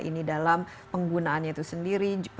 ini dalam penggunaannya itu sendiri